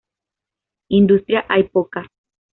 Industria hay poca.